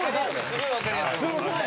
すごいわかりやすい。